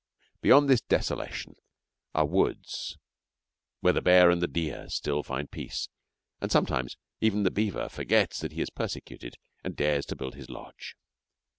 Beyond this desolation are woods where the bear and the deer still find peace, and sometimes even the beaver forgets that he is persecuted and dares to build his lodge.